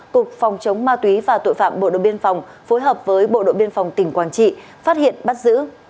cục phòng chống ma túy và tội phạm bộ đội biên phòng phối hợp với bộ đội biên phòng tỉnh quảng trị phát hiện bắt giữ